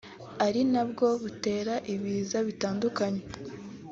ari na bwo butera ibiza bitandukanye